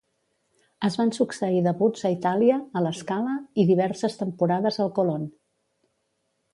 Es van succeir debuts a Itàlia, a La Scala i diverses temporades al Colón.